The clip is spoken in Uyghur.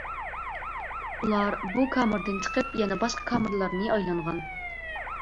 ئۇلار بۇ كامېردىن چىقىپ، يەنە باشقا كامېرلارنى ئايلانغان.